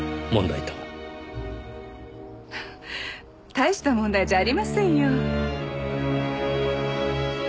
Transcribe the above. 大した問題じゃありませんよ。